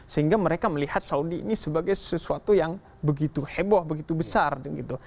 sehingga mereka melihat saudi ini sebagai sesuatu yang begitu heboh begitu besar gitu